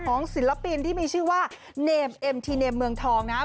ศิลปินที่มีชื่อว่าเนมเอ็มทีเนมเมืองทองนะครับ